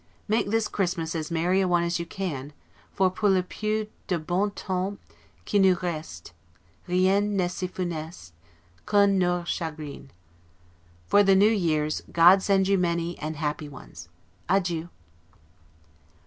Make this Christmas as merry a one as you can; for 'pour le peu du bon tems qui nous reste, rien nest si funeste, qu'un noir chagrin'. For the new years God send you many, and happy ones! Adieu.